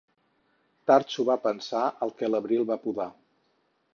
Tard s'ho va pensar el que a l'abril va podar.